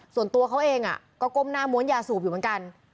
ส่วนตัวเขาเองก็ก้มหน้าม้วนยาสูบอยู่เหมือนกัน